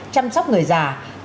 chăm sóc người già